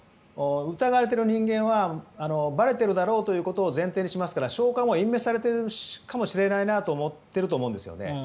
疑われている人間はばれているだろうということを前提にしますから証拠は隠滅されているかもしれないなと思っていると思うんですね。